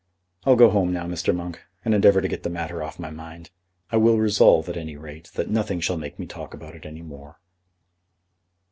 I'll go home now, Mr. Monk, and endeavour to get the matter off my mind. I will resolve, at any rate, that nothing shall make me talk about it any more."